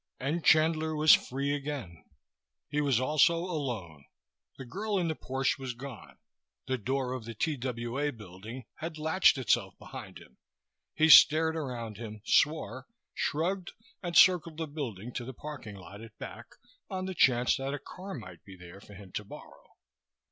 And Chandler was free again. He was also alone. The girl in the Porsche was gone. The door of the TWA building had latched itself behind him. He stared around him, swore, shrugged and circled the building to the parking lot at back, on the chance that a car might be there for him to borrow.